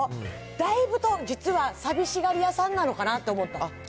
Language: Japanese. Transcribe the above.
だいぶ実は寂しがり屋さんなのかなと思った。